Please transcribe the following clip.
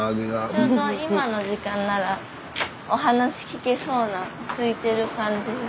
ちょうど今の時間ならお話聞けそうなすいてる感じ。